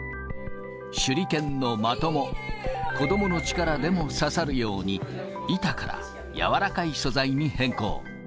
手裏剣の的も、子どもの力でも刺さるように、板からやわらかい素材に変更。